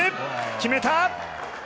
決めた！